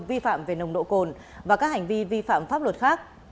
vi phạm về nồng độ cồn và các hành vi vi phạm pháp luật khác